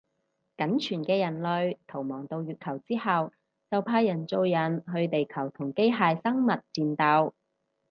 僅存嘅人類逃亡到月球之後就派人造人去地球同機械生物戰鬥